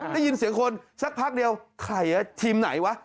ได้ยินเสียงคนสักพักเดียวใครอ่ะทีมไหนวะ